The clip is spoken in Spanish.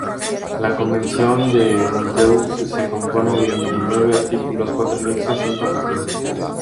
La Convención de Montreux se compone de veintinueve artículos, cuatro anexos y un protocolo.